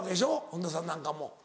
本田さんなんかも。